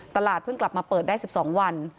ตลาดเพิ่งกลับมาเปิดได้๑๒วัน